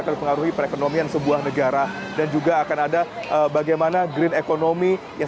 akan mengaruhi perekonomian sebuah negara dan juga akan ada bagaimana green economy yang